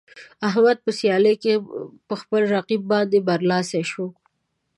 احمد په سیالۍ کې په خپل رقیب باندې برلاسی شو.